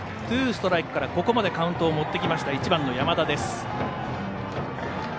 ツーストライクからここまでカウントを持ってきた１番、山田。